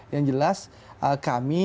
yang jelas kami